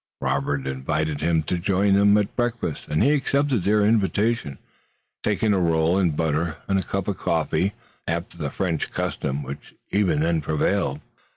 Robert invited him to join them at breakfast and he accepted their invitation, taking a roll and butter and a cup of coffee after the French custom which even then prevailed.